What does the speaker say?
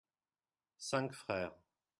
Cinq frères.